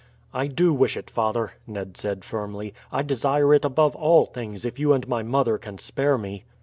"I do wish it, father," Ned said firmly. "I desire it above all things, if you and my mother can spare me."